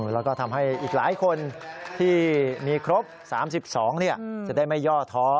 แล้วก็ทำให้อีกหลายคนที่มีครบ๓๒จะได้ไม่ย่อท้อ